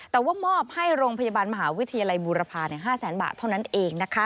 แต่ว่ามอบให้โรงพยาบาลมหาวิทยาลัยบูรพา๕แสนบาทเท่านั้นเอง